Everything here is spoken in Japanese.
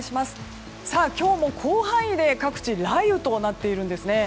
今日も広範囲で各地、雷雨となっているんです。